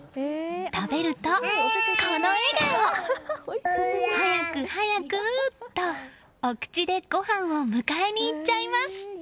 食べると、この笑顔！早く早く！とお口でご飯を迎えに行っちゃいます。